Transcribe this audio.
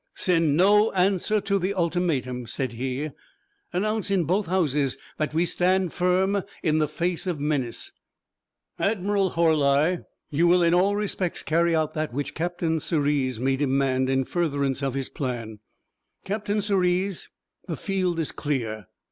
"Send no answer to the ultimatum," said he. "Announce in both houses that we stand firm in the face of menace. Admiral Horli, you will in all respects carry out that which Captain Sirius may demand in furtherance of his plan. Captain Sirius, the field is clear.